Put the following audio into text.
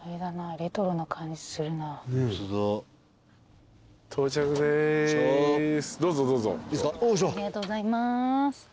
ありがとうございます。